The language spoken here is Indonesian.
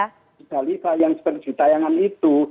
setelah kita di jalifah yang seperti ditayangan itu